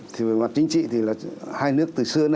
thì về mặt chính trị thì là hai nước từ xưa